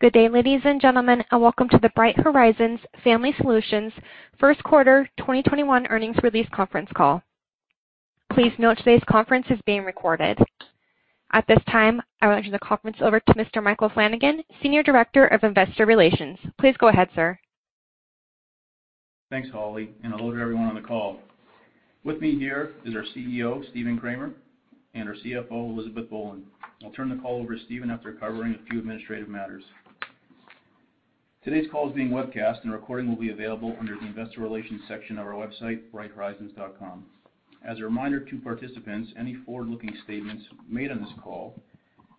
Good day, ladies and gentlemen, and welcome to the Bright Horizons Family Solutions First Quarter 2021 earnings release conference call. Please note today's conference is being recorded. At this time, I will turn the conference over to Mr. Michael Flanagan, Senior Director of Investor Relations. Please go ahead, sir. Thanks, Holly, and hello to everyone on the call. With me here is our CEO, Stephen Kramer, and our CFO, Elizabeth Boland. I'll turn the call over to Stephen after covering a few administrative matters. Today's call is being webcast and a recording will be available under the investor relations section of our website, brighthorizons.com. As a reminder to participants, any forward-looking statements made on this call,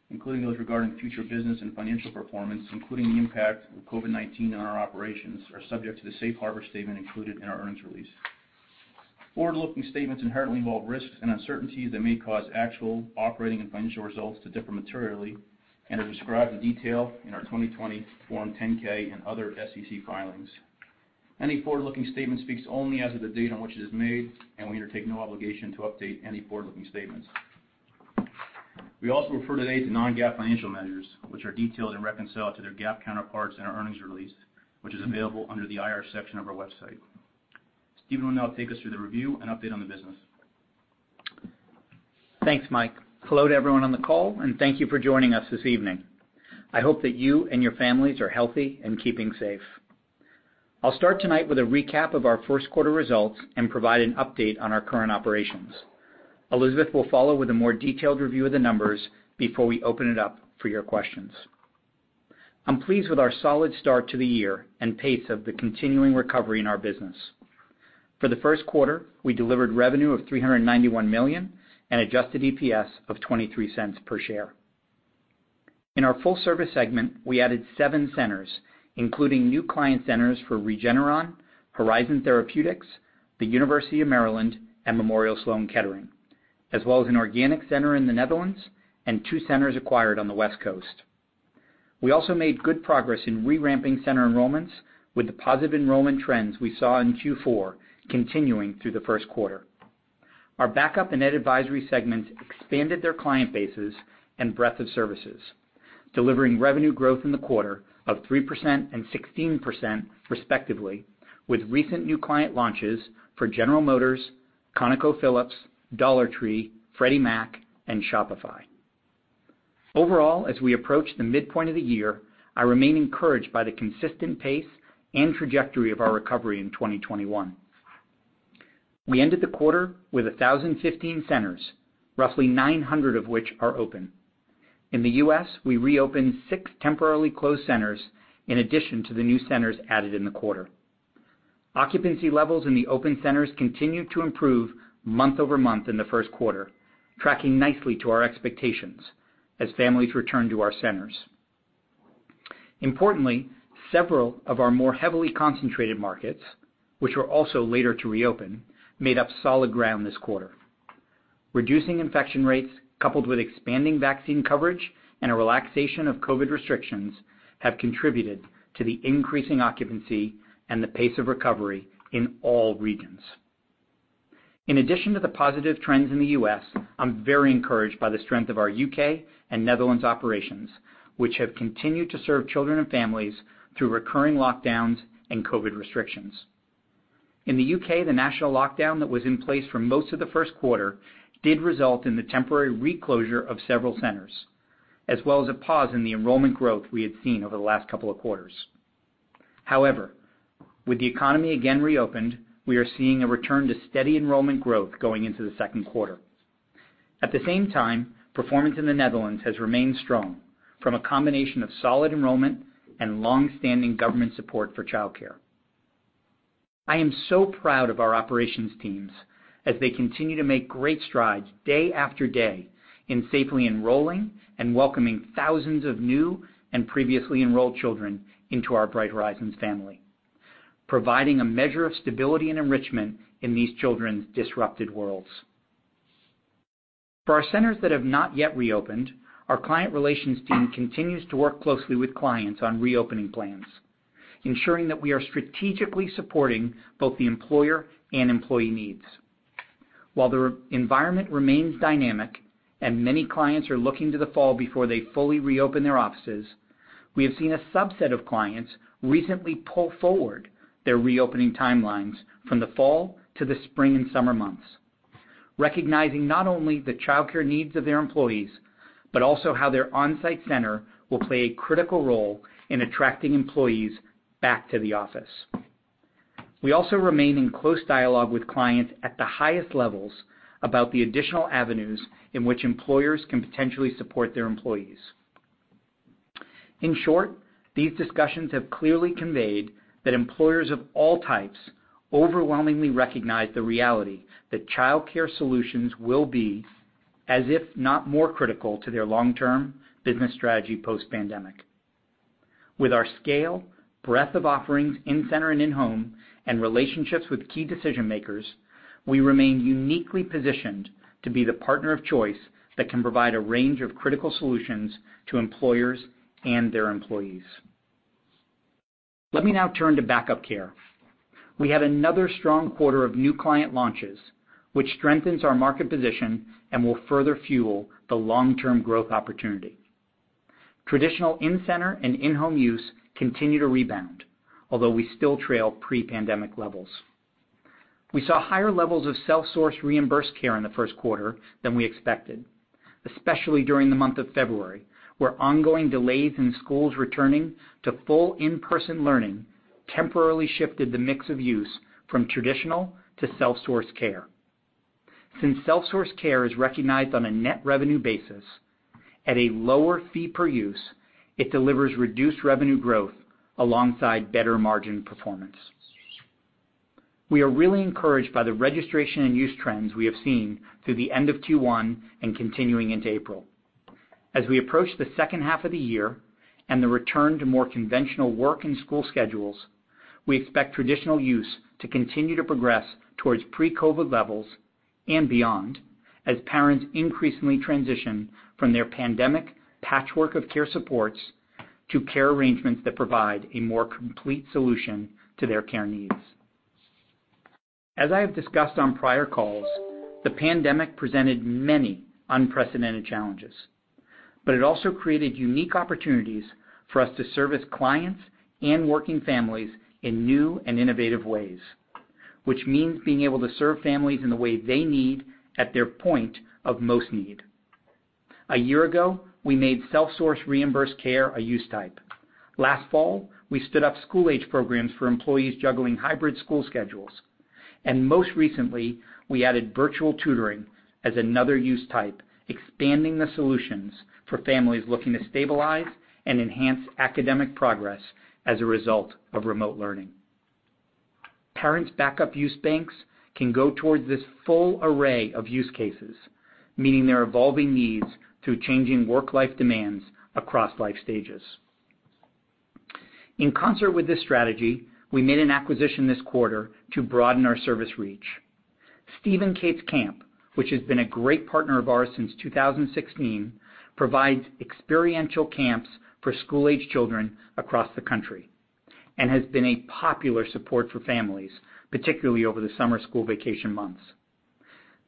including those regarding future business and financial performance, including the impact of COVID-19 on our operations, are subject to the safe harbor statement included in our earnings release. Forward-looking statements inherently involve risks and uncertainties that may cause actual operating and financial results to differ materially and are described in detail in our 2020 Form 10-K and other SEC filings. Any forward-looking statement speaks only as of the date on which it is made, and we undertake no obligation to update any forward-looking statements. We also refer today to non-GAAP financial measures, which are detailed and reconciled to their GAAP counterparts in our earnings release, which is available under the IR section of our website. Stephen will now take us through the review and update on the business. Thanks, Mike. Hello to everyone on the call, and thank you for joining us this evening. I hope that you and your families are healthy and keeping safe. I'll start tonight with a recap of our first quarter results and provide an update on our current operations. Elizabeth will follow with a more detailed review of the numbers before we open it up for your questions. I'm pleased with our solid start to the year and pace of the continuing recovery in our business. For the first quarter, we delivered revenue of $391 million and adjusted EPS of $0.23 per share. In our full-service segment, we added seven centers, including new client centers for Regeneron, Horizon Therapeutics, the University of Maryland, and Memorial Sloan Kettering, as well as an organic center in the Netherlands and two centers acquired on the West Coast. We also made good progress in re-ramping center enrollments with the positive enrollment trends we saw in Q4 continuing through the first quarter. Our backup and ed advisory segments expanded their client bases and breadth of services, delivering revenue growth in the quarter of 3% and 16% respectively, with recent new client launches for General Motors, ConocoPhillips, Dollar Tree, Freddie Mac and Shopify. Overall, as we approach the midpoint of the year, I remain encouraged by the consistent pace and trajectory of our recovery in 2021. We ended the quarter with 1,015 centers, roughly 900 of which are open. In the U.S., we reopened six temporarily closed centers in addition to the new centers added in the quarter. Occupancy levels in the open centers continued to improve month-over-month in the first quarter, tracking nicely to our expectations as families return to our centers. Importantly, several of our more heavily concentrated markets, which were also later to reopen, made up solid ground this quarter. Reducing infection rates, coupled with expanding vaccine coverage and a relaxation of COVID-19 restrictions, have contributed to the increasing occupancy and the pace of recovery in all regions. In addition to the positive trends in the U.S., I'm very encouraged by the strength of our U.K. and Netherlands operations, which have continued to serve children and families through recurring lockdowns and COVID-19 restrictions. In the U.K., the national lockdown that was in place for most of the first quarter did result in the temporary reclosure of several centers, as well as a pause in the enrollment growth we had seen over the last couple of quarters. However, with the economy again reopened, we are seeing a return to steady enrollment growth going into the second quarter. At the same time, performance in the Netherlands has remained strong from a combination of solid enrollment and long-standing government support for childcare. I am so proud of our operations teams as they continue to make great strides day after day in safely enrolling and welcoming thousands of new and previously enrolled children into our Bright Horizons family, providing a measure of stability and enrichment in these children's disrupted worlds. For our centers that have not yet reopened, our client relations team continues to work closely with clients on reopening plans, ensuring that we are strategically supporting both the employer and employee needs. While the environment remains dynamic and many clients are looking to the fall before they fully reopen their offices, we have seen a subset of clients recently pull forward their reopening timelines from the fall to the spring and summer months, recognizing not only the childcare needs of their employees, but also how their onsite center will play a critical role in attracting employees back to the office. We also remain in close dialogue with clients at the highest levels about the additional avenues in which employers can potentially support their employees. In short, these discussions have clearly conveyed that employers of all types overwhelmingly recognize the reality that childcare solutions will be as if not more critical to their long-term business strategy post-pandemic. With our scale, breadth of offerings in-center and in-home, and relationships with key decision-makers, we remain uniquely positioned to be the partner of choice that can provide a range of critical solutions to employers and their employees. Let me now turn to back-up care. We had another strong quarter of new client launches, which strengthens our market position and will further fuel the long-term growth opportunity. Traditional in-center and in-home use continue to rebound, although we still trail pre-pandemic levels. We saw higher levels of self-source reimbursed care in the 1st quarter than we expected, especially during the month of February, where ongoing delays in schools returning to full in-person learning temporarily shifted the mix of use from traditional to self-source care. Since self-source care is recognized on a net revenue basis at a lower fee per use, it delivers reduced revenue growth alongside better margin performance. We are really encouraged by the registration and use trends we have seen through the end of Q1 and continuing into April. As we approach the second half of the year and the return to more conventional work and school schedules, we expect traditional use to continue to progress towards pre-COVID levels and beyond, as parents increasingly transition from their pandemic patchwork of care supports to care arrangements that provide a more complete solution to their care needs. As I have discussed on prior calls, the pandemic presented many unprecedented challenges, but it also created unique opportunities for us to service clients and working families in new and innovative ways, which means being able to serve families in the way they need at their point of most need. A year ago, we made self-source reimbursed care a use type. Last fall, we stood up school-age programs for employees juggling hybrid school schedules, and most recently, we added virtual tutoring as another use type, expanding the solutions for families looking to stabilize and enhance academic progress as a result of remote learning. Parents' back-up use banks can go towards this full array of use cases, meeting their evolving needs through changing work-life demands across life stages. In concert with this strategy, we made an acquisition this quarter to broaden our service reach. Steve & Kate's Camp, which has been a great partner of ours since 2016, provides experiential camps for school-age children across the country and has been a popular support for families, particularly over the summer school vacation months.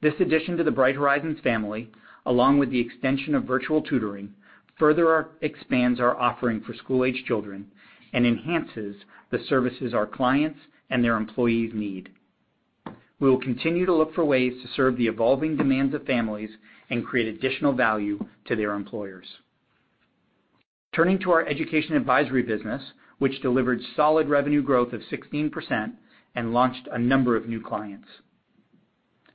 This addition to the Bright Horizons family, along with the extension of virtual tutoring, further expands our offering for school-age children and enhances the services our clients and their employees need. We will continue to look for ways to serve the evolving demands of families and create additional value to their employers. Turning to our education advisory business, which delivered solid revenue growth of 16% and launched a number of new clients.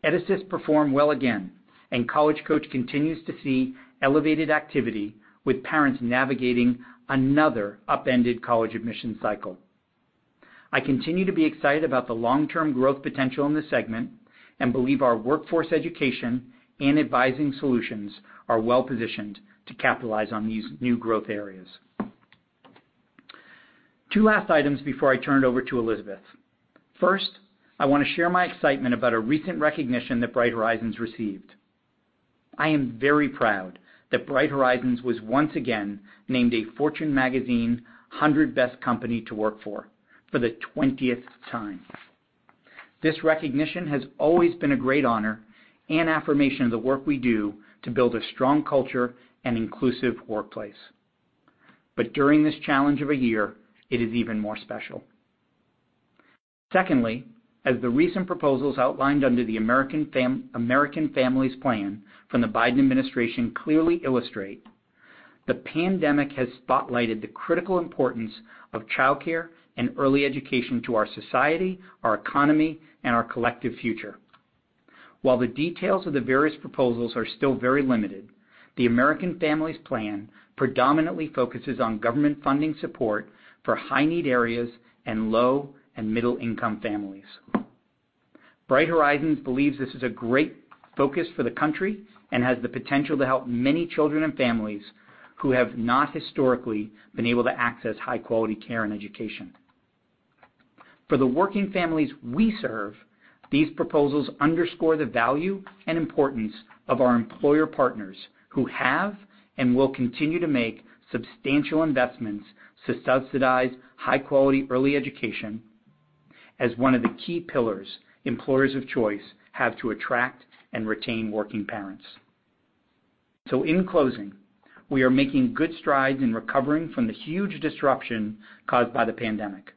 EdAssist performed well again, and College Coach continues to see elevated activity with parents navigating another upended college admission cycle. I continue to be excited about the long-term growth potential in this segment and believe our workforce education and advising solutions are well-positioned to capitalize on these new growth areas. Two last items before I turn it over to Elizabeth Boland. First, I want to share my excitement about a recent recognition that Bright Horizons received. I am very proud that Bright Horizons was once again named a Fortune magazine 100 best company to work for the 20th time. This recognition has always been a great honor and affirmation of the work we do to build a strong culture and inclusive workplace. During this challenge of a year, it is even more special. Secondly, as the recent proposals outlined under the American Families Plan from the Biden administration clearly illustrate, the pandemic has spotlighted the critical importance of childcare and early education to our society, our economy, and our collective future. While the details of the various proposals are still very limited, the American Families Plan predominantly focuses on government funding support for high-need areas and low and middle-income families. Bright Horizons believes this is a great focus for the country and has the potential to help many children and families who have not historically been able to access high-quality care and education. For the working families we serve, these proposals underscore the value and importance of our employer partners who have and will continue to make substantial investments to subsidize high-quality early education as one of the key pillars employers of choice have to attract and retain working parents. In closing, we are making good strides in recovering from the huge disruption caused by the pandemic.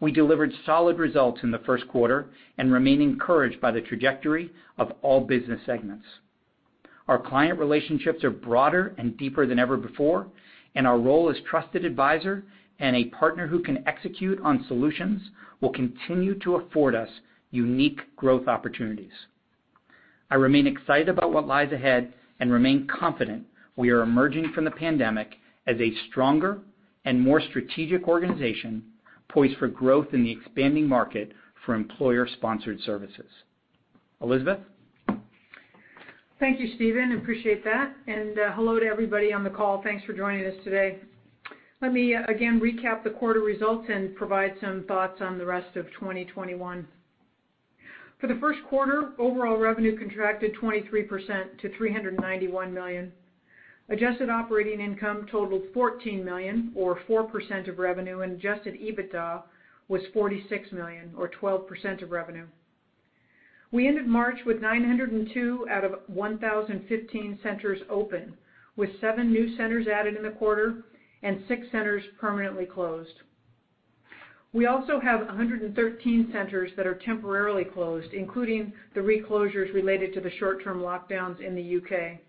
We delivered solid results in the first quarter and remain encouraged by the trajectory of all business segments. Our client relationships are broader and deeper than ever before, and our role as trusted advisor and a partner who can execute on solutions will continue to afford us unique growth opportunities. I remain excited about what lies ahead and remain confident we are emerging from the pandemic as a stronger and more strategic organization poised for growth in the expanding market for employer-sponsored services. Elizabeth? Thank you, Stephen. Appreciate that, and hello to everybody on the call. Thanks for joining us today. Let me again recap the quarter results and provide some thoughts on the rest of 2021. For the first quarter, overall revenue contracted 23% to $391 million. Adjusted operating income totaled $14 million or 4% of revenue, and adjusted EBITDA was $46 million or 12% of revenue. We ended March with 902 out of 1,015 centers open, with seven new centers added in the quarter and six centers permanently closed. We also have 113 centers that are temporarily closed, including the reclosures related to the short-term lockdowns in the U.K.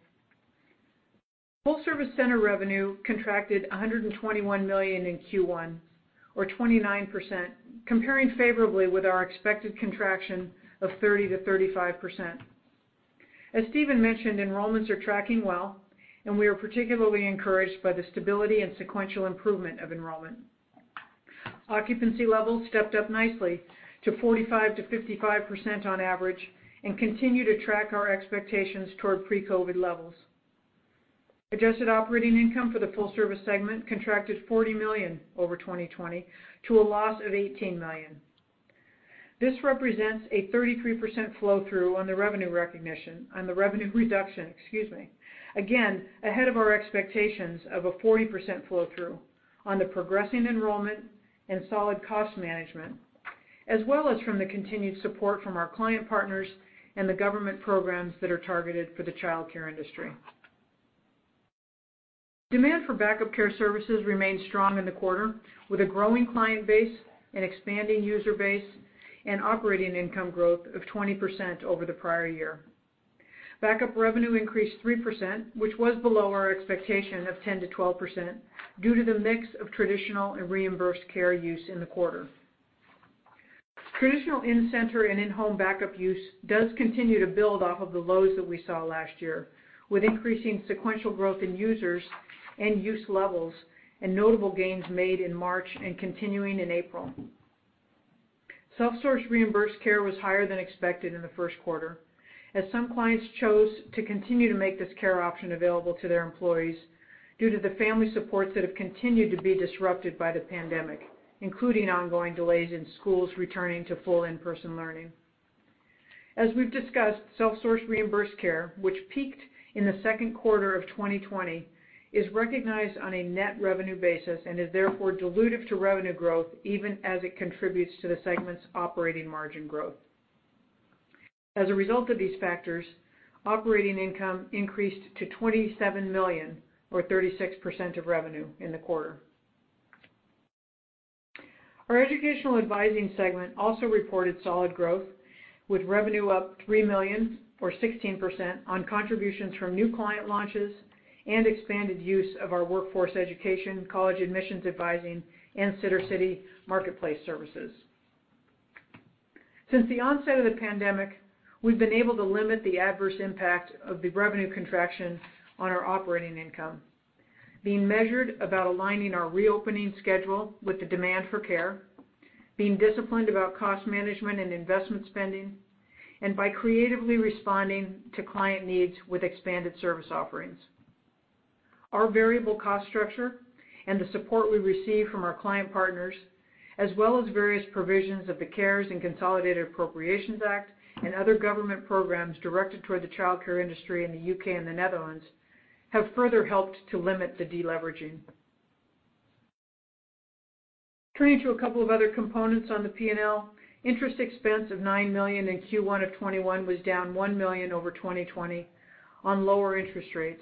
Full service center revenue contracted $121 million in Q1 or 29%, comparing favorably with our expected contraction of 30%-35%. As Stephen mentioned, enrollments are tracking well and we are particularly encouraged by the stability and sequential improvement of enrollment. Occupancy levels stepped up nicely to 45%-55% on average and continue to track our expectations toward pre-COVID levels. Adjusted operating income for the Full Service segment contracted $40 million over 2020 to a loss of $18 million. This represents a 33% flow-through on the revenue reduction, again, ahead of our expectations of a 40% flow-through on the progressing enrollment and solid cost management, as well as from the continued support from our client partners and the government programs that are targeted for the childcare industry. Demand for backup care services remained strong in the quarter with a growing client base and expanding user base and operating income growth of 20% over the prior year. Backup revenue increased 3%, which was below our expectation of 10%-12% due to the mix of traditional and reimbursed care use in the quarter. Traditional in-center and in-home backup use does continue to build off of the lows that we saw last year, with increasing sequential growth in users and use levels and notable gains made in March and continuing in April. Self-source reimbursed care was higher than expected in the first quarter, as some clients chose to continue to make this care option available to their employees due to the family supports that have continued to be disrupted by the pandemic, including ongoing delays in schools returning to full in-person learning. As we've discussed, self-source reimbursed care, which peaked in the second quarter of 2020, is recognized on a net revenue basis and is therefore dilutive to revenue growth even as it contributes to the segment's operating margin growth. As a result of these factors, operating income increased to $27 million or 36% of revenue in the quarter. Our educational advising segment also reported solid growth, with revenue up $3 million or 16% on contributions from new client launches and expanded use of our workforce education, College Coach, and Sittercity marketplace services. Since the onset of the pandemic, we've been able to limit the adverse impact of the revenue contraction on our operating income, being measured about aligning our reopening schedule with the demand for care, being disciplined about cost management and investment spending, and by creatively responding to client needs with expanded service offerings. Our variable cost structure and the support we receive from our client partners, as well as various provisions of the CARES and Consolidated Appropriations Act and other government programs directed toward the childcare industry in the U.K. and the Netherlands, have further helped to limit the de-leveraging. A couple of other components on the P&L. Interest expense of $9 million in Q1 of 2021 was down $1 million over 2020 on lower interest rates.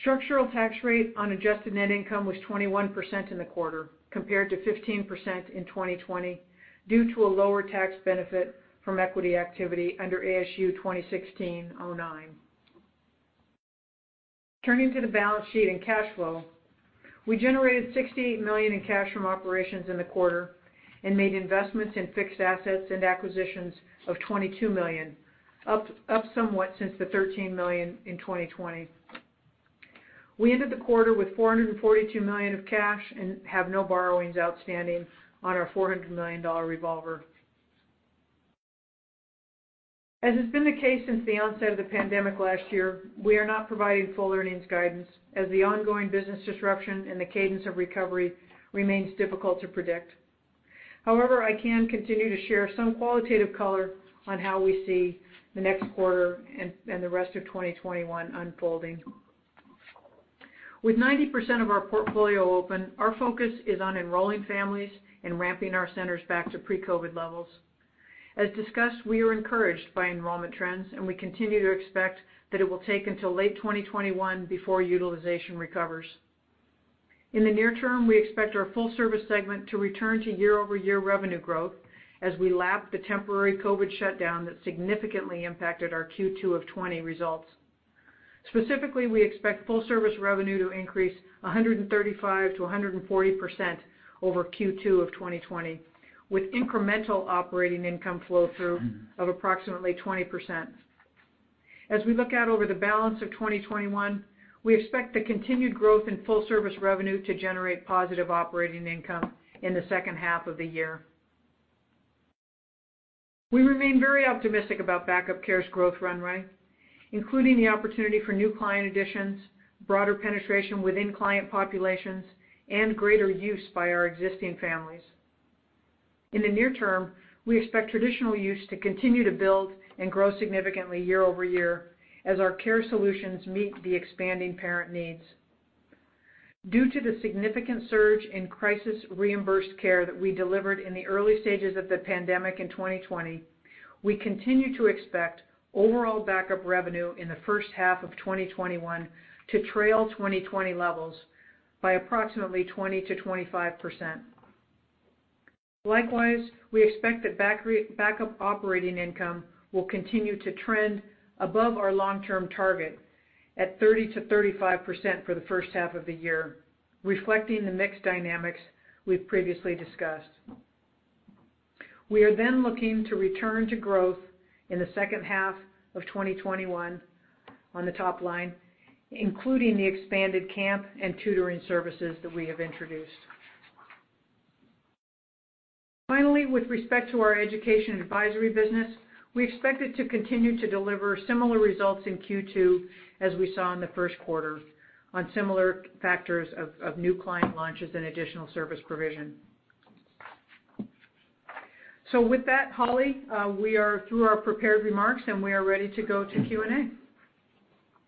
Structural tax rate on adjusted net income was 21% in the quarter, compared to 15% in 2020, due to a lower tax benefit from equity activity under ASU 2016-09. Turning to the balance sheet and cash flow. We generated $68 million in cash from operations in the quarter and made investments in fixed assets and acquisitions of $22 million, up somewhat since the $13 million in 2020. We ended the quarter with $442 million of cash and have no borrowings outstanding on our $400 million revolver. As has been the case since the onset of the pandemic last year, we are not providing full earnings guidance as the ongoing business disruption and the cadence of recovery remains difficult to predict. However, I can continue to share some qualitative color on how we see the next quarter and the rest of 2021 unfolding. With 90% of our portfolio open, our focus is on enrolling families and ramping our centers back to pre-COVID levels. As discussed, we are encouraged by enrollment trends, and we continue to expect that it will take until late 2021 before utilization recovers. In the near term, we expect our Full Service segment to return to year-over-year revenue growth as we lap the temporary COVID shutdown that significantly impacted our Q2 of 2020 results. Specifically, we expect Full Service revenue to increase 135%-140% over Q2 of 2020, with incremental operating income flow-through of approximately 20%. As we look out over the balance of 2021, we expect the continued growth in Full Service revenue to generate positive operating income in the second half of the year. We remain very optimistic about backup care's growth runway, including the opportunity for new client additions, broader penetration within client populations, and greater use by our existing families. In the near term, we expect traditional use to continue to build and grow significantly year-over-year as our care solutions meet the expanding parent needs. Due to the significant surge in crisis reimbursed care that we delivered in the early stages of the pandemic in 2020, we continue to expect overall backup revenue in the first half of 2021 to trail 2020 levels by approximately 20%-25%. Likewise, we expect that backup operating income will continue to trend above our long-term target at 30%-35% for the first half of the year, reflecting the mixed dynamics we've previously discussed. We are done looking to return to growth in the second half of 2021 on the top line, including the expanded camp and tutoring services that we have introduced. With respect to our education advisory business, we expect it to continue to deliver similar results in Q2 as we saw in the first quarter on similar factors of new client launches and additional service provision. With that, Holly, we are through our prepared remarks, and we are ready to go to Q&A.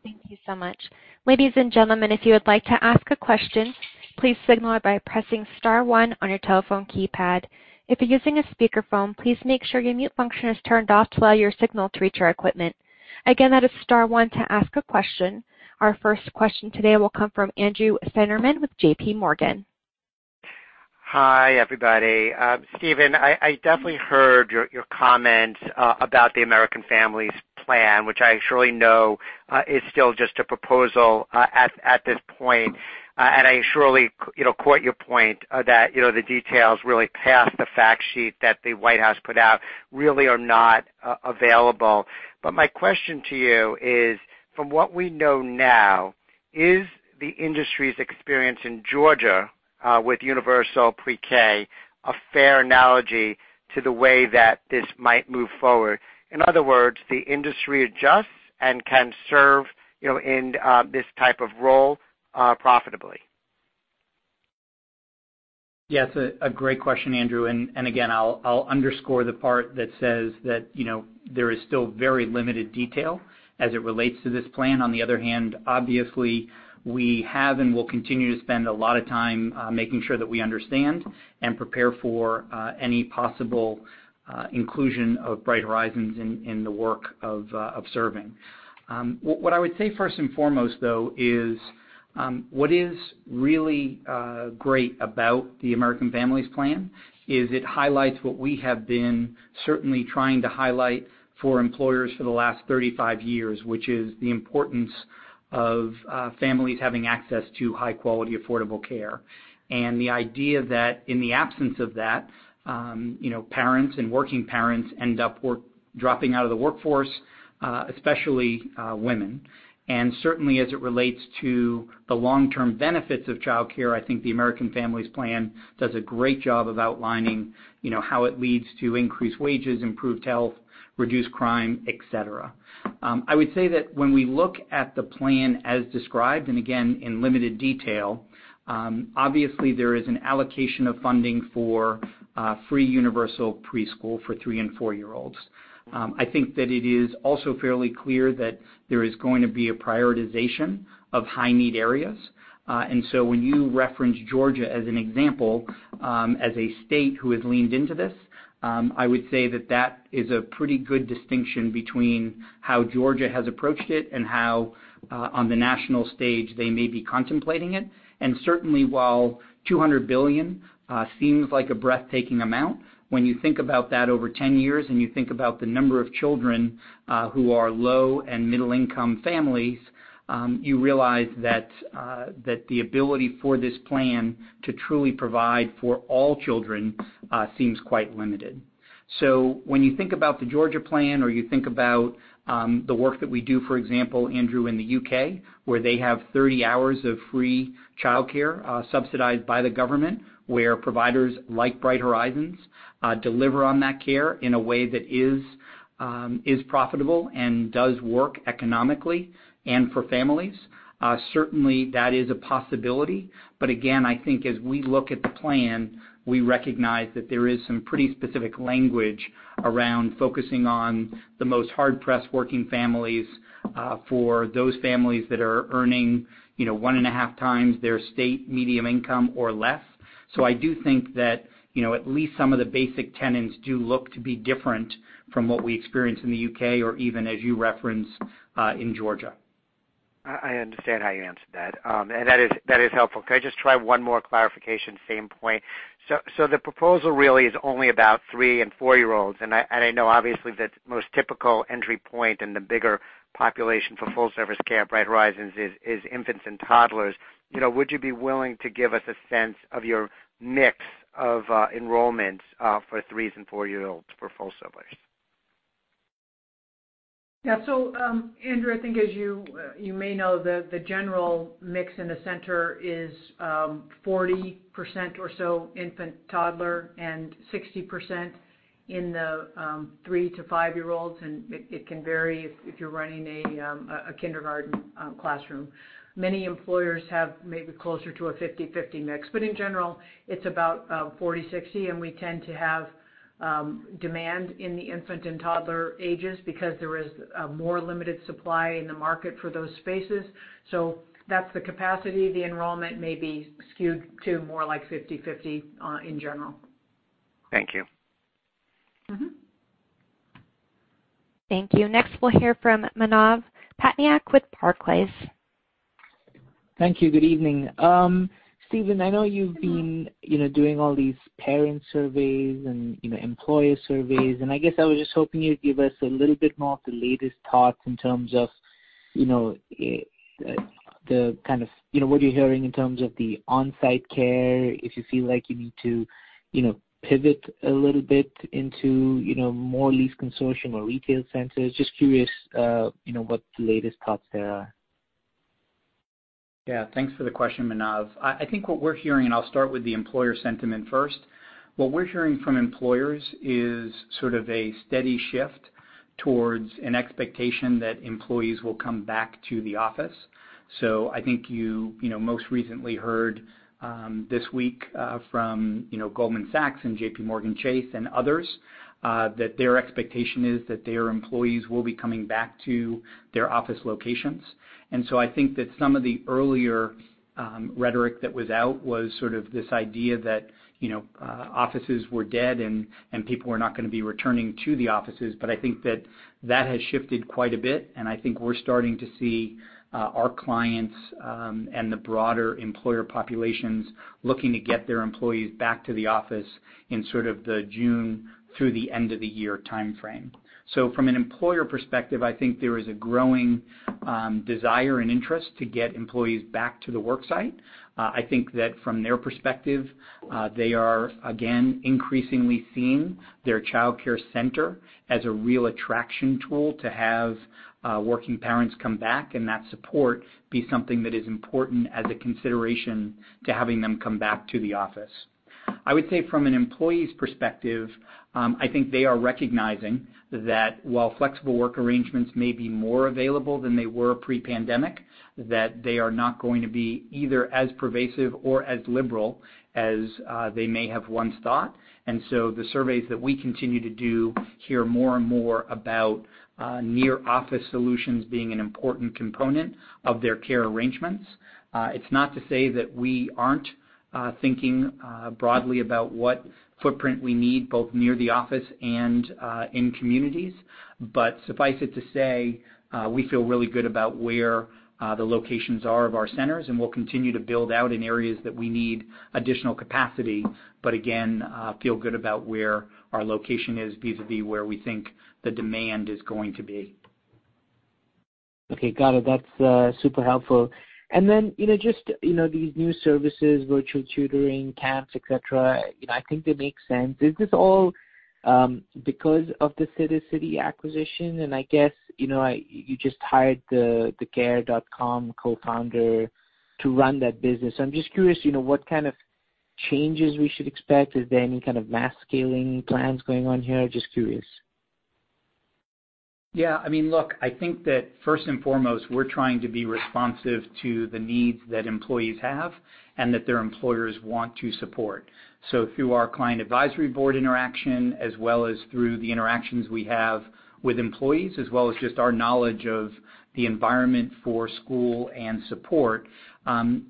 Thank you so much. Ladies and gentlemen, if you would like to ask a question, please signal it by pressing star one on your telephone keypad. If you're using a speakerphone, please make sure your mute function is turned off to allow your signal to reach our equipment. Again, that is star one to ask a question. Our first question today will come from Andrew Steinerman with JPMorgan. Hi, everybody. Stephen, I definitely heard your comments about the American Families Plan, which I surely know is still just a proposal at this point. I surely quote your point that the details really past the fact sheet that the White House put out really are not available. My question to you is, from what we know now, is the industry's experience in Georgia, with universal pre-K, a fair analogy to the way that this might move forward? In other words, the industry adjusts and can serve in this type of role profitably. Yes, a great question, Andrew. Again, I'll underscore the part that says that there is still very limited detail as it relates to this plan. The other hand, obviously, we have and will continue to spend a lot of time making sure that we understand and prepare for any possible inclusion of Bright Horizons in the work of serving. What I would say first and foremost, though, is what is really great about the American Families Plan is it highlights what we have been certainly trying to highlight for employers for the last 35 years, which is the importance of families having access to high-quality, affordable care. The idea that in the absence of that, parents and working parents end up dropping out of the workforce, especially women. Certainly, as it relates to the long-term benefits of childcare, I think the American Families Plan does a great job of outlining how it leads to increased wages, improved health, reduced crime, et cetera. I would say that when we look at the plan as described, again, in limited detail, obviously there is an allocation of funding for free universal preschool for 3 and 4-year-olds. I think that it is also fairly clear that there is going to be a prioritization of high-need areas. When you reference Georgia as an example, as a state who has leaned into this, I would say that that is a pretty good distinction between how Georgia has approached it and how, on the national stage, they may be contemplating it. Certainly, while $200 billion seems like a breathtaking amount, when you think about that over 10 years and you think about the number of children who are low and middle-income families, you realize that the ability for this plan to truly provide for all children seems quite limited. When you think about the Georgia plan, or you think about the work that we do, for example, Andrew, in the U.K., where they have 30 hours of free childcare subsidized by the government, where providers like Bright Horizons deliver on that care in a way that is profitable and does work economically and for families, certainly that is a possibility. Again, I think as we look at the plan, we recognize that there is some pretty specific language around focusing on the most hard-pressed working families for those families that are earning one and a half times their state median income or less. I do think that at least some of the basic tenets do look to be different from what we experience in the U.K. or even as you reference, in Georgia. I understand how you answered that. That is helpful. Could I just try one more clarification, same point. The proposal really is only about 3 and 4-year-olds, and I know obviously the most typical entry point and the bigger population for full-service care at Bright Horizons is infants and toddlers. Would you be willing to give us a sense of your mix of enrollments for 3s and 4-year-olds for full service? Andrew, I think as you may know, the general mix in the center is 40% or so infant/toddler and 60% in the 3-5-year-olds. It can vary if you're running a kindergarten classroom. Many employers have maybe closer to a 50/50 mix. In general, it's about 40/60, and we tend to have demand in the infant and toddler ages because there is a more limited supply in the market for those spaces. That's the capacity. The enrollment may be skewed to more like 50/50 in general. Thank you. Thank you. Next, we'll hear from Manav Patnaik with Barclays. Thank you. Good evening. Stephen, I know you've been doing all these parent surveys and employer surveys. I guess I was just hoping you'd give us a little bit more of the latest thoughts in terms of what you're hearing in terms of the on-site care, if you feel like you need to pivot a little bit into more lease consortium or retail centers. Just curious what the latest thoughts there are. Thanks for the question, Manav. I think what we're hearing, and I'll start with the employer sentiment first. What we're hearing from employers is sort of a steady shift towards an expectation that employees will come back to the office. I think you most recently heard this week from Goldman Sachs and JPMorgan Chase and others, that their expectation is that their employees will be coming back to their office locations. I think that some of the earlier rhetoric that was out was sort of this idea that offices were dead and people were not going to be returning to the offices. I think that has shifted quite a bit, and I think we're starting to see our clients and the broader employer populations looking to get their employees back to the office in sort of the June through the end of the year timeframe. From an employer perspective, I think there is a growing desire and interest to get employees back to the work site. I think that from their perspective, they are, again, increasingly seeing their childcare center as a real attraction tool to have working parents come back, and that support be something that is important as a consideration to having them come back to the office. I would say from an employee's perspective, I think they are recognizing that while flexible work arrangements may be more available than they were pre-pandemic, that they are not going to be either as pervasive or as liberal as they may have once thought. The surveys that we continue to do hear more and more about near-office solutions being an important component of their care arrangements. It's not to say that we aren't thinking broadly about what footprint we need both near the office and in communities, but suffice it to say, we feel really good about where the locations are of our centers, and we'll continue to build out in areas that we need additional capacity, but again, feel good about where our location is vis-a-vis where we think the demand is going to be. Okay, got it. That's super helpful. Just these new services, virtual tutoring, camps, et cetera, I think they make sense. Is this all because of the Sittercity acquisition? I guess, you just hired the Care.com co-founder to run that business. I'm just curious what kind of changes we should expect. Is there any kind of mass scaling plans going on here? Just curious. Look, I think that first and foremost, we're trying to be responsive to the needs that employees have and that their employers want to support. Through our client advisory board interaction, as well as through the interactions we have with employees, as well as just our knowledge of the environment for school and support,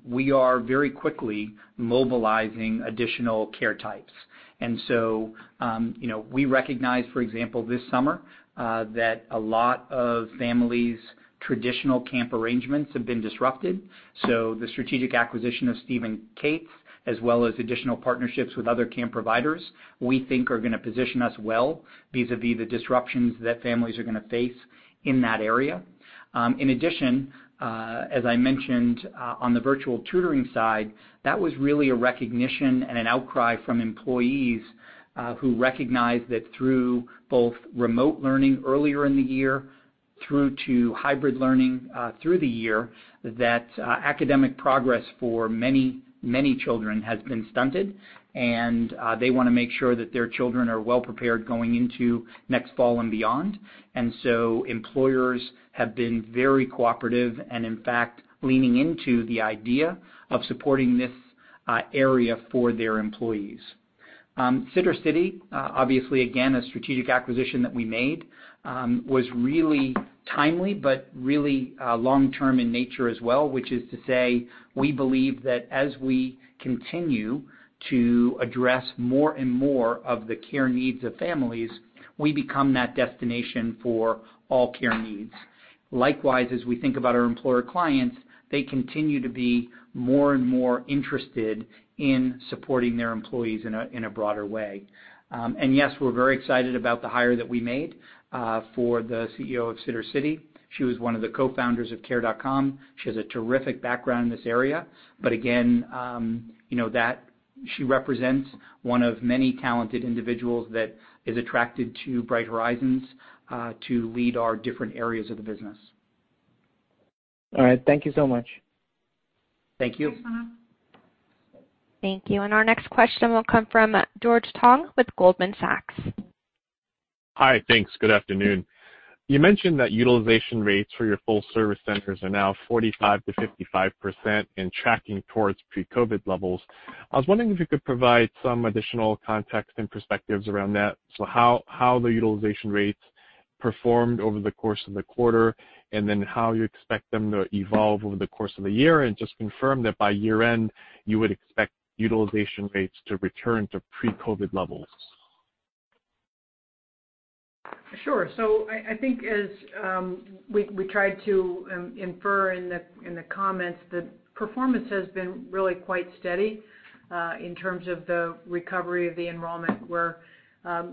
we are very quickly mobilizing additional care types. We recognize, for example, this summer, that a lot of families' traditional camp arrangements have been disrupted. The strategic acquisition of Steve & Kate's, as well as additional partnerships with other camp providers we think are going to position us well vis-a-vis the disruptions that families are going to face in that area. As I mentioned, on the virtual tutoring side, that was really a recognition and an outcry from employees who recognized that through both remote learning earlier in the year through to hybrid learning through the year, that academic progress for many children has been stunted, and they want to make sure that their children are well prepared going into next fall and beyond. Employers have been very cooperative and in fact, leaning into the idea of supporting this area for their employees. Sittercity, obviously again, a strategic acquisition that we made, was really timely, but really long-term in nature as well, which is to say, we believe that as we continue to address more of the care needs of families, we become that destination for all care needs. Likewise, as we think about our employer clients, they continue to be more and more interested in supporting their employees in a broader way. Yes, we're very excited about the hire that we made for the CEO of Sittercity. She was one of the co-founders of Care.com. She has a terrific background in this area. Again, She represents one of many talented individuals that is attracted to Bright Horizons to lead our different areas of the business. All right. Thank you so much. Thank you. Thanks, Manav. Thank you. Our next question will come from George Tong with Goldman Sachs. Hi. Thanks. Good afternoon. You mentioned that utilization rates for your full-service centers are now 45%-55% and tracking towards pre-COVID levels. I was wondering if you could provide some additional context and perspectives around that. How the utilization rates performed over the course of the quarter, and then how you expect them to evolve over the course of the year, and just confirm that by year-end, you would expect utilization rates to return to pre-COVID levels. Sure. I think as we tried to infer in the comments, the performance has been really quite steady, in terms of the recovery of the enrollment, where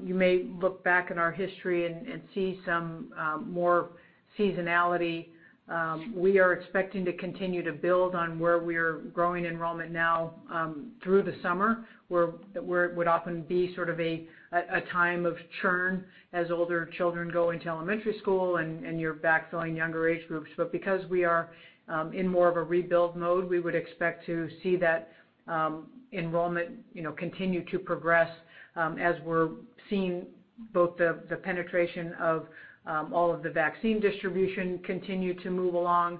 you may look back in our history and see some more seasonality. We are expecting to continue to build on where we're growing enrollment now through the summer, where it would often be sort of a time of churn as older children go into elementary school and you're backfilling younger age groups. Because we are in more of a rebuild mode, we would expect to see that enrollment continue to progress as we're seeing both the penetration of all of the vaccine distribution continue to move along,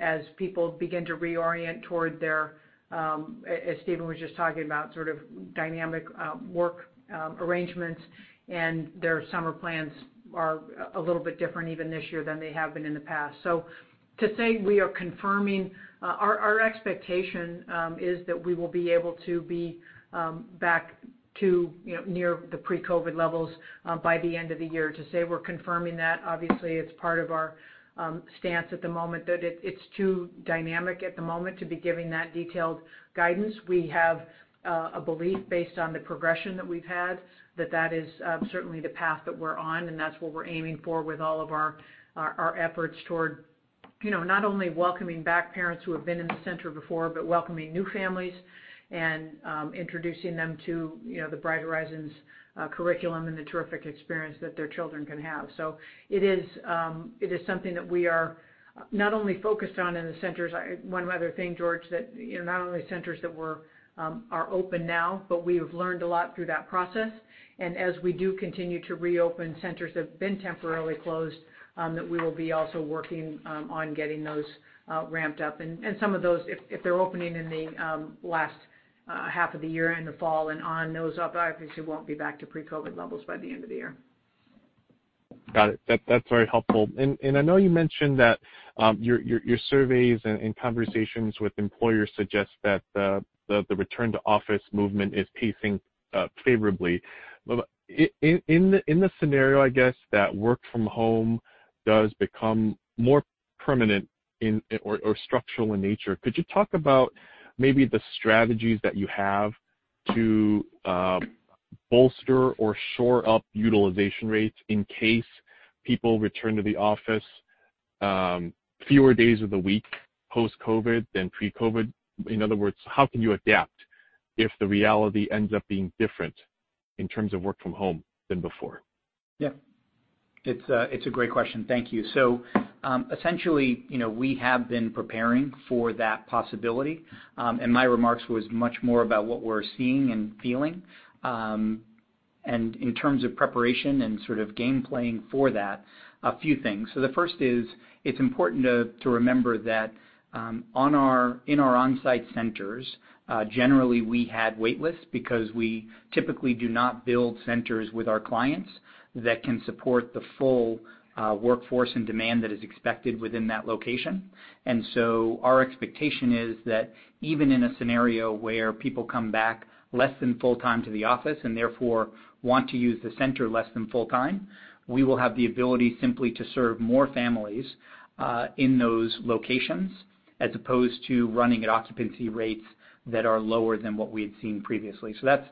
as people begin to reorient toward their, as Stephen was just talking about, sort of dynamic work arrangements. Their summer plans are a little bit different even this year than they have been in the past. To say we are confirming, our expectation is that we will be able to be back to near the pre-COVID levels by the end of the year. To say we're confirming that, obviously, it's part of our stance at the moment that it's too dynamic at the moment to be giving that detailed guidance. We have a belief based on the progression that we've had, that that is certainly the path that we're on, and that's what we're aiming for with all of our efforts toward not only welcoming back parents who have been in the center before, but welcoming new families and introducing them to the Bright Horizons curriculum and the terrific experience that their children can have. It is something that we are not only focused on in the centers. One other thing, George, that not only centers that are open now, but we have learned a lot through that process. As we do continue to reopen centers that have been temporarily closed, we will be also working on getting those ramped up. Some of those, if they're opening in the last half of the year, in the fall and on, those obviously won't be back to pre-COVID levels by the end of the year. Got it. That's very helpful. I know you mentioned that your surveys and conversations with employers suggest that the return-to-office movement is pacing favorably. In the scenario, I guess, that work from home does become more permanent or structural in nature, could you talk about maybe the strategies that you have to bolster or shore up utilization rates in case people return to the office fewer days of the week post-COVID than pre-COVID? In other words, how can you adapt if the reality ends up being different in terms of work from home than before? Yeah. It's a great question. Thank you. Essentially, we have been preparing for that possibility. My remarks was much more about what we're seeing and feeling. In terms of preparation and sort of game planning for that, a few things. The first is, it's important to remember that in our on-site centers, generally, we had wait lists because we typically do not build centers with our clients that can support the full workforce and demand that is expected within that location. Our expectation is that even in a scenario where people come back less than full-time to the office and therefore want to use the center less than full-time, we will have the ability simply to serve more families, in those locations, as opposed to running at occupancy rates that are lower than what we had seen previously. That's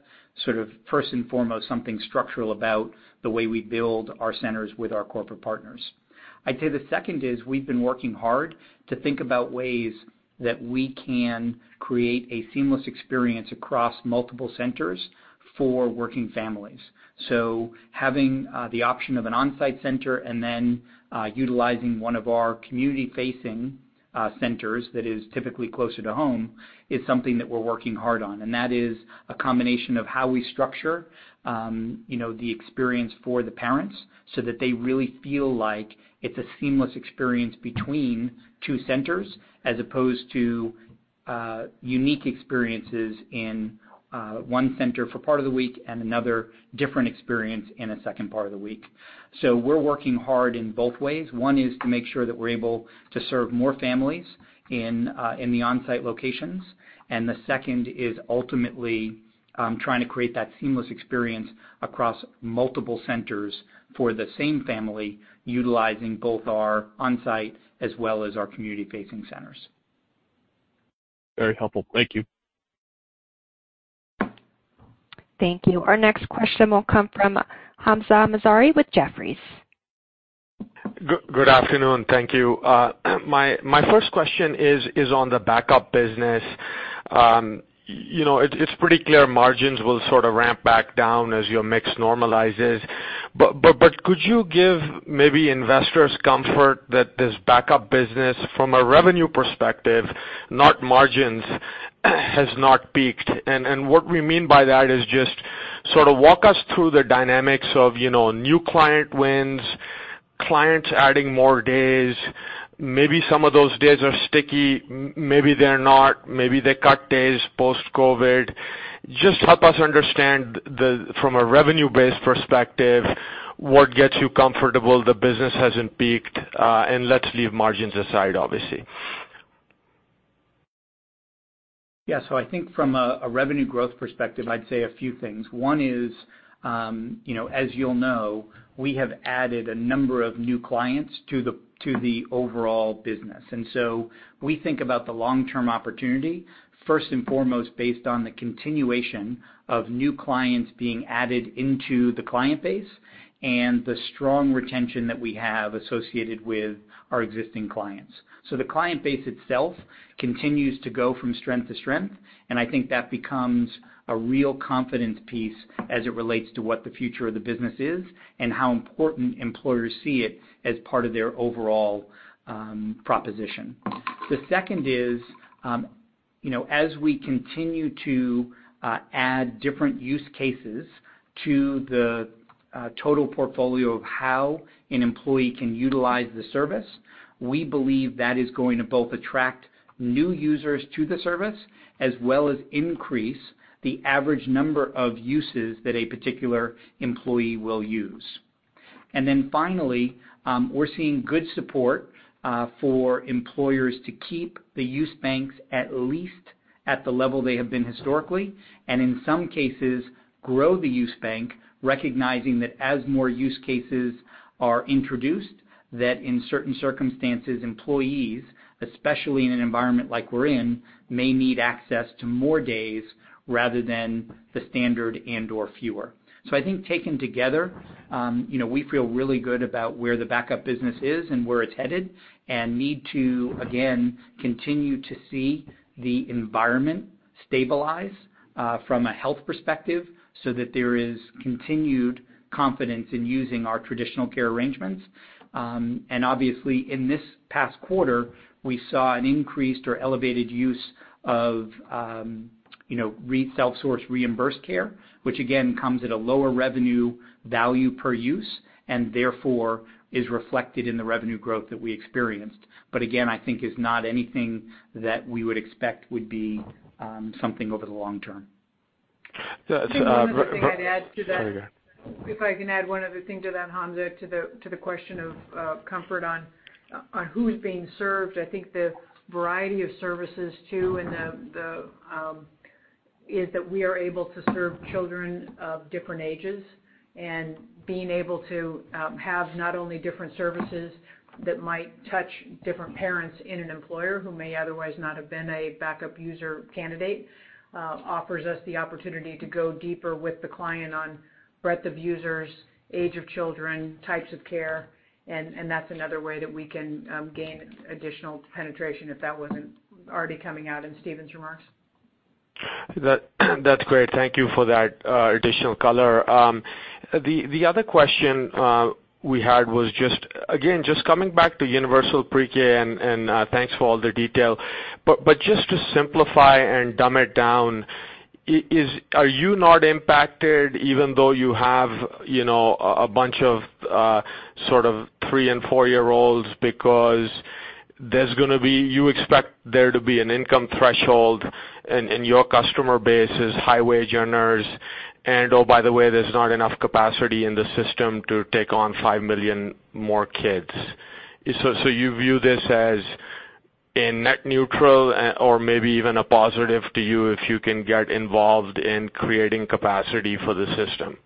sort of first and foremost, something structural about the way we build our centers with our corporate partners. I'd say the second is we've been working hard to think about ways that we can create a seamless experience across multiple centers for working families. Having the option of an on-site center and then utilizing one of our community-facing centers that is typically closer to home is something that we're working hard on. That is a combination of how we structure the experience for the parents so that they really feel like it's a seamless experience between two centers, as opposed to unique experiences in one center for part of the week and another different experience in a second part of the week. We're working hard in both ways. One is to make sure that we're able to serve more families in the on-site locations, and the second is ultimately, trying to create that seamless experience across multiple centers for the same family, utilizing both our on-site as well as our community-facing centers. Very helpful. Thank you. Thank you. Our next question will come from Hamzah Mazari with Jefferies. Good afternoon. Thank you. My first question is on the backup business. It's pretty clear margins will sort of ramp back down as your mix normalizes. Could you give maybe investors comfort that this backup business, from a revenue perspective, not margins, has not peaked? What we mean by that is just sort of walk us through the dynamics of new client wins, clients adding more days. Maybe some of those days are sticky, maybe they're not, maybe they cut days post-COVID. Just help us understand from a revenue-based perspective, what gets you comfortable the business hasn't peaked, and let's leave margins aside, obviously. Yeah. I think from a revenue growth perspective, I'd say a few things. One is, as you'll know, we have added a number of new clients to the overall business. We think about the long-term opportunity, first and foremost, based on the continuation of new clients being added into the client base and the strong retention that we have associated with our existing clients. The client base itself continues to go from strength to strength, and I think that becomes a real confidence piece as it relates to what the future of the business is and how important employers see it as part of their overall proposition. The second is, as we continue to add different use cases to the total portfolio of how an employee can utilize the service, we believe that is going to both attract new users to the service, as well as increase the average number of uses that a particular employee will use. Finally, we're seeing good support for employers to keep the use banks, at least at the level they have been historically, and in some cases, grow the use bank, recognizing that as more use cases are introduced, that in certain circumstances, employees, especially in an environment like we're in, may need access to more days rather than the standard and/or fewer. I think taken together, we feel really good about where the backup business is and where it's headed, and need to, again, continue to see the environment stabilize from a health perspective so that there is continued confidence in using our traditional care arrangements. Obviously in this past quarter, we saw an increased or elevated use of self-source reimbursed care, which again comes at a lower revenue value per use, and therefore is reflected in the revenue growth that we experienced. Again, I think is not anything that we would expect would be something over the long term. The other thing I'd add to that. There we go. If I can add one other thing to that, Hamzah, to the question of comfort on who is being served. I think the variety of services, too, is that we are able to serve children of different ages, and being able to have not only different services that might touch different parents in an employer who may otherwise not have been a backup user candidate offers us the opportunity to go deeper with the client on breadth of users, age of children, types of care, and that's another way that we can gain additional penetration if that wasn't already coming out in Stephen's remarks. That's great. Thank you for that additional color. The other question we had was just, again, just coming back to universal pre-K, and thanks for all the detail, but just to simplify and dumb it down, are you not impacted even though you have a bunch of sort of 3 and 4-year-olds because you expect there to be an income threshold, and your customer base is high-wage earners, and, oh, by the way, there's not enough capacity in the system to take on 5 million more kids. You view this as a net neutral or maybe even a positive to you if you can get involved in creating capacity for the system.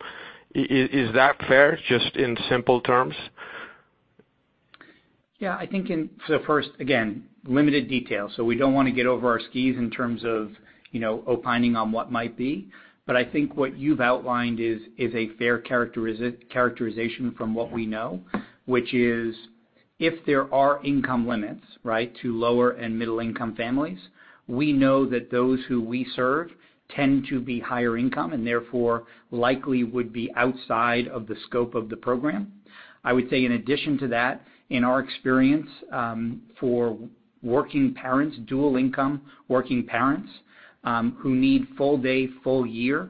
Is that fair, just in simple terms? Yeah, I think in the first, again, limited detail, so we don't want to get over our skis in terms of opining on what might be. I think what you've outlined is a fair characterization from what we know, which is if there are income limits to lower and middle-income families, we know that those who we serve tend to be higher income, and therefore likely would be outside of the scope of the program. I would say in addition to that, in our experience, for working parents, dual income working parents, who need full day, full year,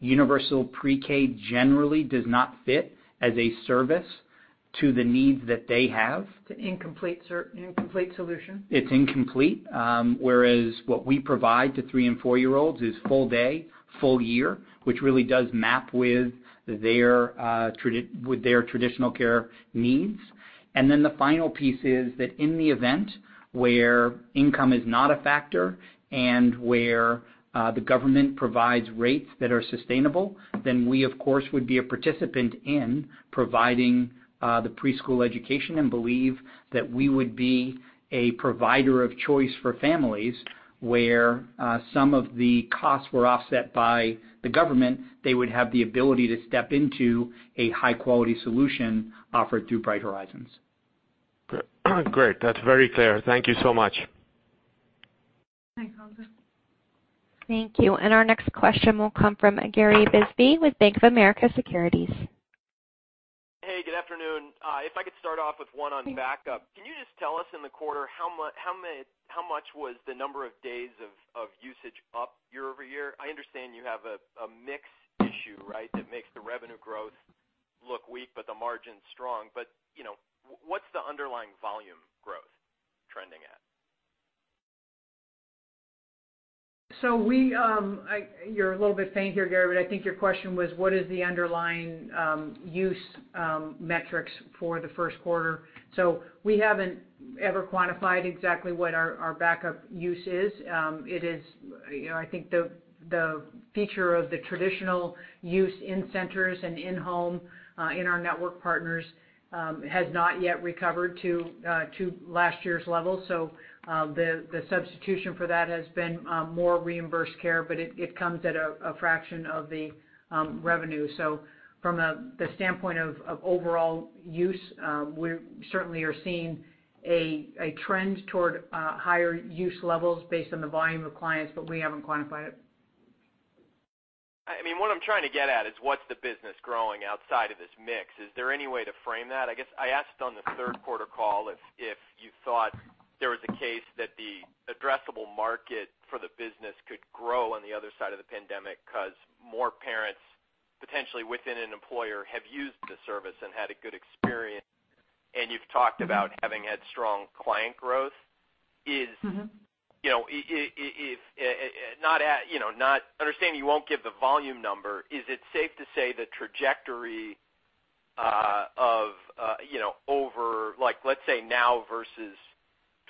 universal pre-K generally does not fit as a service to the needs that they have. It's an incomplete solution. It's incomplete, whereas what we provide to three and four-year-olds is full day, full year, which really does map with their traditional care needs. The final piece is that in the event where income is not a factor and where the government provides rates that are sustainable, we, of course, would be a participant in providing the preschool education and believe that we would be a provider of choice for families where some of the costs were offset by the government. They would have the ability to step into a high-quality solution offered through Bright Horizons. Great. That's very clear. Thank you so much. Hi, Compton. Thank you. Our next question will come from Gary Bisbee with Bank of America Securities. Hey, good afternoon. If I could start off with one on backup. Can you just tell us in the quarter, how much was the number of days of usage up year-over-year? I understand you have a mix issue, right? That makes the revenue growth look weak, but the margin's strong. What's the underlying volume growth trending at? You're a little bit faint here, Gary, but I think your question was, what is the underlying use metrics for the first quarter? We haven't ever quantified exactly what our backup use is. I think the feature of the traditional use in centers and in home, in our network partners, has not yet recovered to last year's level. The substitution for that has been more reimbursed care, but it comes at a fraction of the revenue. From the standpoint of overall use, we certainly are seeing a trend toward higher use levels based on the volume of clients, but we haven't quantified it. What I'm trying to get at is what's the business growing outside of this mix? Is there any way to frame that? I guess I asked on the third quarter call if you thought there was a case that the addressable market for the business could grow on the other side of the pandemic because more parents, potentially within an employer, have used the service and had a good experience. You've talked about having had strong client growth. Understanding you won't give the volume number, is it safe to say the trajectory of over, let's say, now versus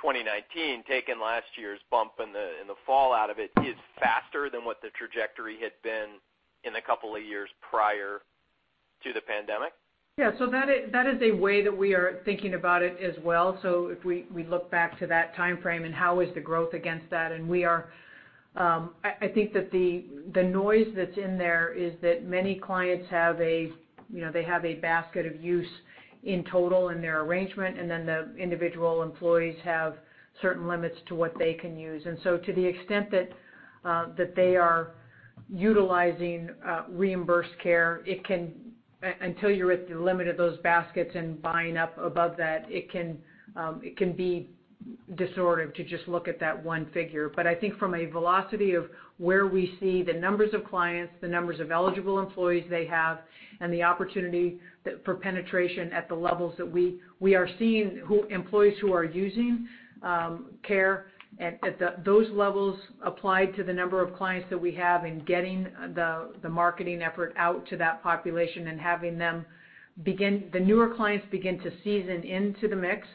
2019, taking last year's bump and the fallout of it, is faster than what the trajectory had been in the couple of years prior to the pandemic? Yeah. That is a way that we are thinking about it as well. If we look back to that timeframe and how is the growth against that, I think that the noise that's in there is that many clients have a basket of use in total in their arrangement, the individual employees have certain limits to what they can use. To the extent that they are utilizing reimbursed care, until you're at the limit of those baskets and buying up above that, it can be harder to just look at that one figure. I think from a velocity of where we see the numbers of clients, the numbers of eligible employees they have, and the opportunity for penetration at the levels that we are seeing employees who are using care at those levels applied to the number of clients that we have in getting the marketing effort out to that population and having the newer clients begin to season into the mix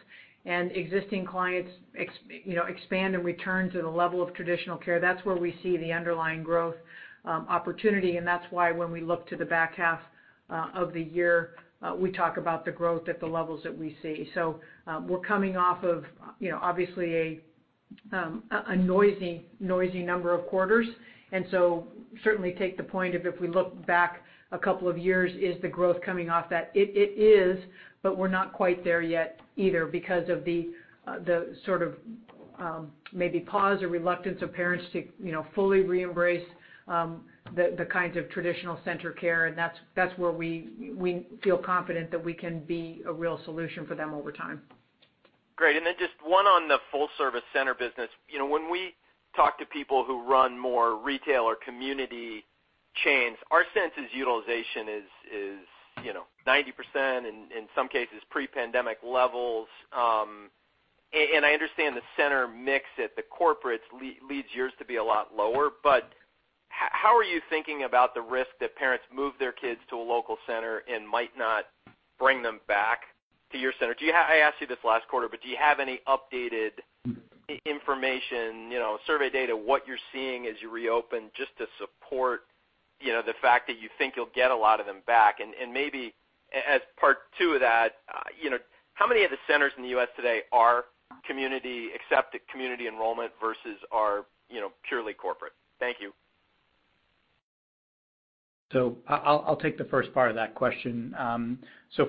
and existing clients expand and return to the level of traditional care. That's where we see the underlying growth opportunity, and that's why when we look to the back half of the year, we talk about the growth at the levels that we see. We're coming off of obviously a noisy number of quarters. Certainly take the point of, if we look back a couple of years, is the growth coming off that? It is, but we're not quite there yet either because of the sort of maybe pause or reluctance of parents to fully re-embrace the kinds of traditional center care, and that's where we feel confident that we can be a real solution for them over time. Great. Just one on the full service center business. When we talk to people who run more retail or community chains, our sense is utilization is 90%, in some cases, pre-pandemic levels. I understand the center mix at the corporates leads yours to be a lot lower, but how are you thinking about the risk that parents move their kids to a local center and might not bring them back to your center? I asked you this last quarter, but do you have any updated information, survey data, what you're seeing as you reopen just to support the fact that you think you'll get a lot of them back? Maybe as part two of that, how many of the centers in the U.S. today are community accepted, community enrollment versus are purely corporate? Thank you. I'll take the first part of that question.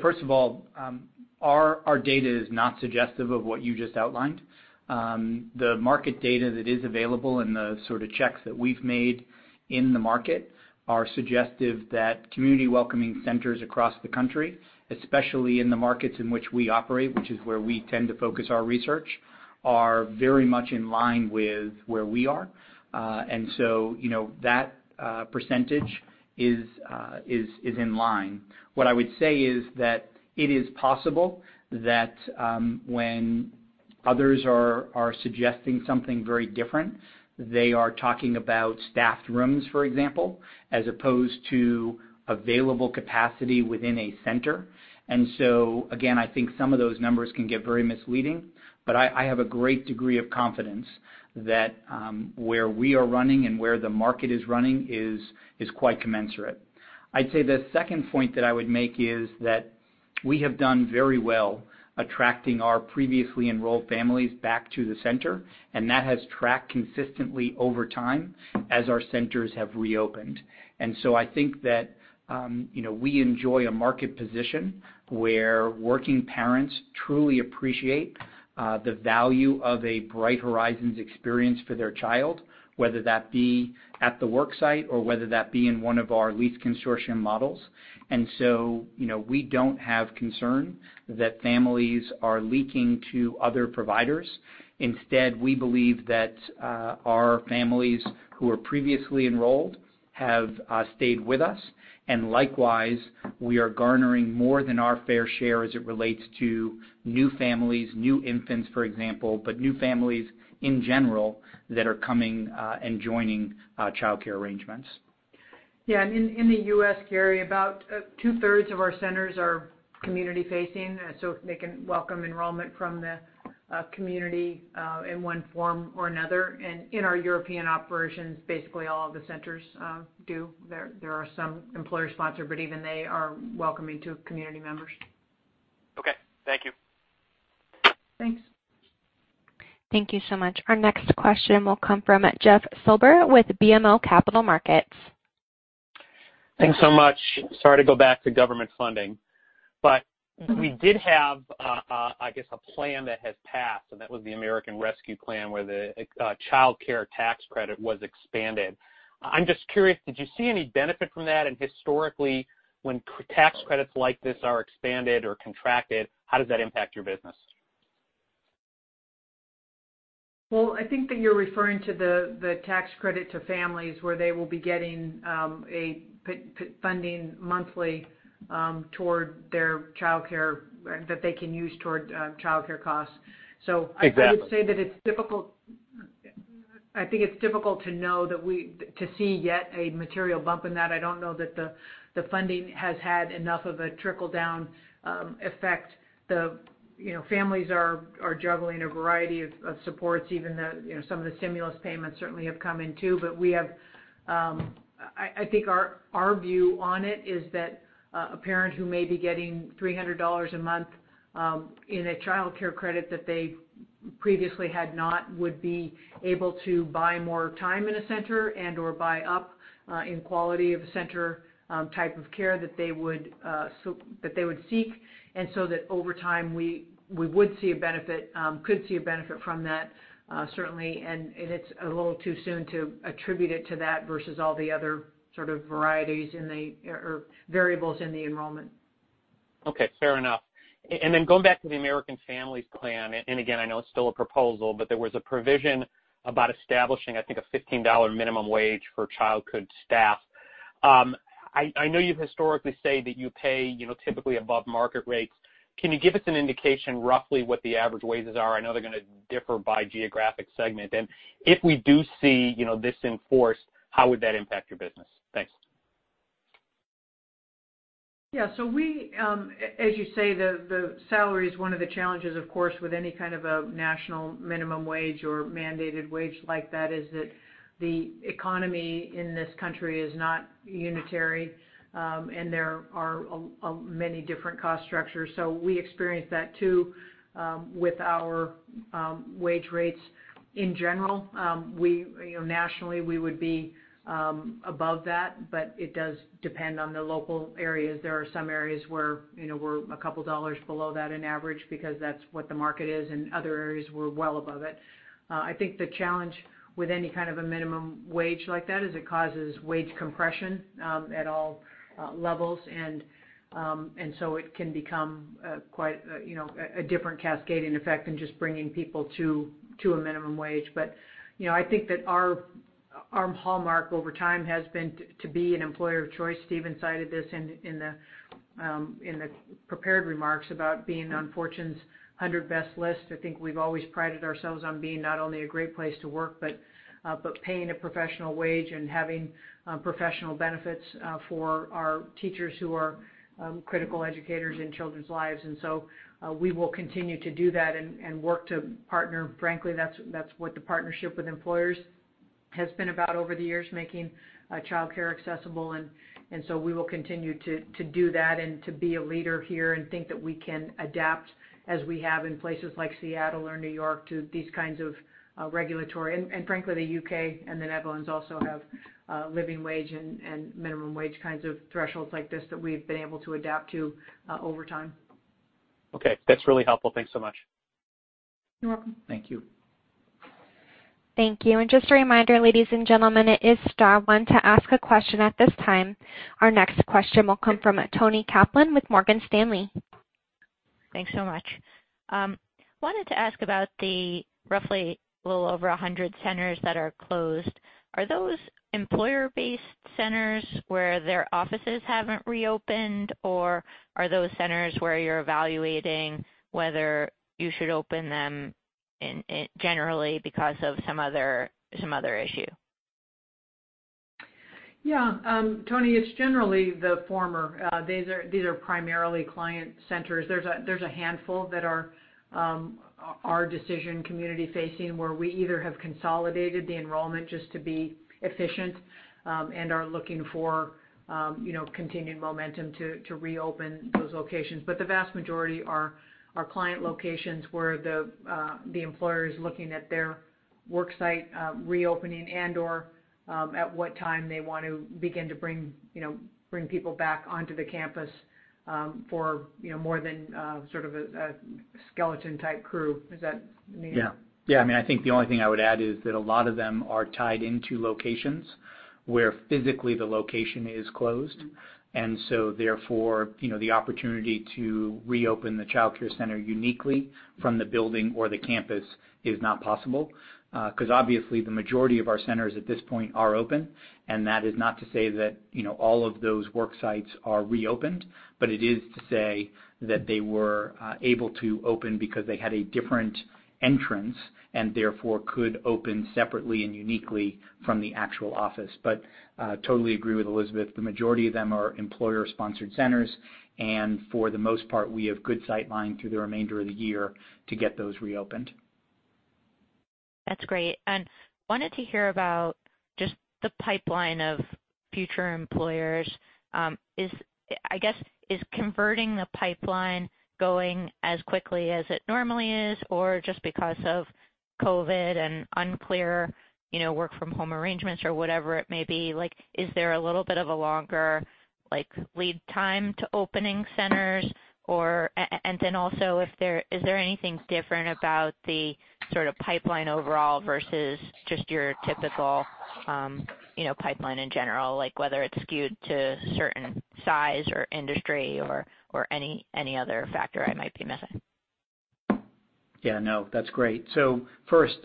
First of all, our data is not suggestive of what you just outlined. The market data that is available and the sort of checks that we've made in the market are suggestive that community welcoming centers across the country, especially in the markets in which we operate, which is where we tend to focus our research, are very much in line with where we are. That percentage is in line. What I would say is that it is possible that when others are suggesting something very different, they are talking about staffed rooms, for example, as opposed to available capacity within a center. Again, I think some of those numbers can get very misleading, but I have a great degree of confidence that where we are running and where the market is running is quite commensurate. I'd say the second point that I would make is that we have done very well attracting our previously enrolled families back to the center, and that has tracked consistently over time as our centers have reopened. I think that we enjoy a market position where working parents truly appreciate the value of a Bright Horizons experience for their child, whether that be at the work site or whether that be in one of our lease consortium models. We don't have concern that families are leaking to other providers. Instead, we believe that our families who were previously enrolled have stayed with us. Likewise, we are garnering more than our fair share as it relates to new families, new infants, for example, but new families in general that are coming and joining childcare arrangements. In the U.S., Gary, about two-thirds of our centers are community-facing, so they can welcome enrollment from the community in one form or another. In our European operations, basically all of the centers do. There are some employer-sponsored, but even they are welcoming to community members. Okay. Thank you. Thanks. Thank you so much. Our next question will come from Jeff Silber with BMO Capital Markets. Thanks so much. Sorry to go back to government funding, but, we did have, I guess, a plan that has passed. That was the American Rescue Plan, where the Childcare Tax Credit was expanded. I'm just curious, did you see any benefit from that? Historically, when tax credits like this are expanded or contracted, how does that impact your business? Well, I think that you're referring to the tax credit to families where they will be getting a funding monthly toward their childcare, that they can use toward childcare costs. Exactly. I would say that it's difficult to know that to see yet a material bump in that. I don't know that the funding has had enough of a trickle-down effect. The families are juggling a variety of supports, even though some of the stimulus payments certainly have come in, too. We have I think our view on it is that a parent who may be getting $300 a month in a childcare credit that they previously had not, would be able to buy more time in a center and/or buy up in quality of a center type of care that they would seek. That over time, we would see a benefit, could see a benefit from that, certainly. It's a little too soon to attribute it to that versus all the other sort of variables in the enrollment. Okay, fair enough. Then going back to the American Families Plan, again, I know it's still a proposal, but there was a provision about establishing, I think, a $15 minimum wage for childhood staff. I know you historically say that you pay typically above market rates. Can you give us an indication roughly what the average wages are? I know they're going to differ by geographic segment. If we do see this enforced, how would that impact your business? Thanks. We, as you say, the salary is one of the challenges, of course, with any kind of a national minimum wage or mandated wage like that, is that the economy in this country is not unitary, and there are many different cost structures. We experience that too with our wage rates in general. Nationally, we would be above that, but it does depend on the local areas. There are some areas where we're a couple of dollars below that on average because that's what the market is. In other areas, we're well above it. I think the challenge with any kind of a minimum wage like that is it causes wage compression at all levels. It can become quite a different cascading effect than just bringing people to a minimum wage. I think that our hallmark over time has been to be an employer of choice. Stephen even cited this in the prepared remarks about being on Fortune's 100 best list. I think we've always prided ourselves on being not only a great place to work, but paying a professional wage and having professional benefits for our teachers who are critical educators in children's lives. We will continue to do that and work to partner. Frankly, that's what the partnership with employers has been about over the years, making childcare accessible. We will continue to do that and to be a leader here and think that we can adapt as we have in places like Seattle or New York to these kinds of regulatory and frankly, the U.K. and the Netherlands also have living wage and minimum wage kinds of thresholds like this that we've been able to adapt to over time. Okay. That's really helpful. Thanks so much. You're welcome. Thank you. Thank you. Just a reminder, ladies and gentlemen, it is star one to ask a question at this time. Our next question will come from Toni Kaplan with Morgan Stanley. Thanks so much. Wanted to ask about the roughly little over 100 centers that are closed. Are those employer-based centers where their offices haven't reopened, or are those centers where you're evaluating whether you should open them generally because of some other issue? Toni, it's generally the former. These are primarily client centers. There's a handful that are our decision community facing, where we either have consolidated the enrollment just to be efficient, and are looking for continued momentum to reopen those locations. The vast majority are client locations where the employer is looking at their work site reopening and/or at what time they want to begin to bring people back onto the campus for more than a skeleton-type crew. Does that mean? Yeah. I think the only thing I would add is that a lot of them are tied into locations where physically the location is closed. Therefore, the opportunity to reopen the childcare center uniquely from the building or the campus is not possible. Because obviously the majority of our centers at this point are open, and that is not to say that all of those work sites are reopened, but it is to say that they were able to open because they had a different entrance and therefore could open separately and uniquely from the actual office. Totally agree with Elizabeth, the majority of them are employer-sponsored centers, and for the most part, we have good sight line through the remainder of the year to get those reopened. That's great. Wanted to hear about just the pipeline of future employers. I guess, is converting the pipeline going as quickly as it normally is, or just because of COVID and unclear work from home arrangements or whatever it may be, is there a little bit of a longer lead time to opening centers? Is there anything different about the pipeline overall versus just your typical pipeline in general, like whether it's skewed to a certain size or industry or any other factor I might be missing? No, that's great. First,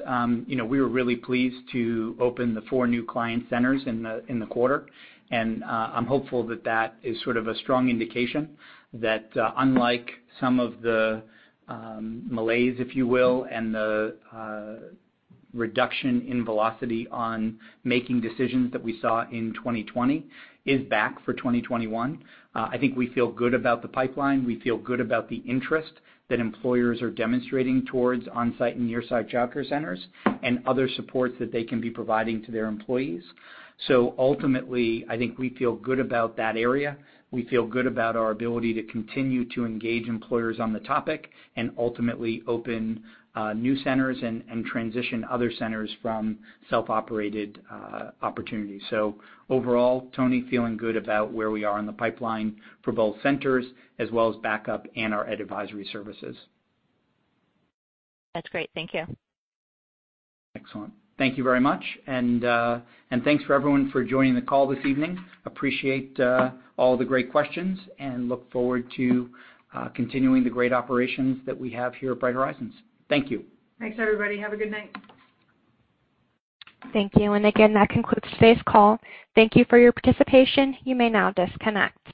we were really pleased to open the four new client centers in the quarter, and I'm hopeful that that is sort of a strong indication that, unlike some of the malaise, if you will, and the reduction in velocity on making decisions that we saw in 2020 is back for 2021. I think we feel good about the pipeline. We feel good about the interest that employers are demonstrating towards on-site and near-site childcare centers and other supports that they can be providing to their employees. Ultimately, I think we feel good about that area. We feel good about our ability to continue to engage employers on the topic and ultimately open new centers and transition other centers from self-operated opportunities. Overall, Toni, feeling good about where we are in the pipeline for both centers as well as Back-Up and our Ed Advisory services. That's great. Thank you. Excellent. Thank you very much. Thanks for everyone for joining the call this evening. Appreciate all the great questions and look forward to continuing the great operations that we have here at Bright Horizons. Thank you. Thanks, everybody. Have a good night. Thank you. Again, that concludes today's call. Thank you for your participation. You may now disconnect.